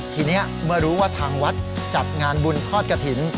ทีนี้เมื่อรู้ว่าทางวัดจัดงานบุญทอดกระถิ่น